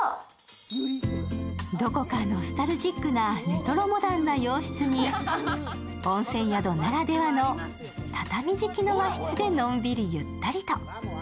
どこかノスタルジックなレトロモダンな洋室に温泉宿ならではの畳敷きの和室で、のんびりゆったりと。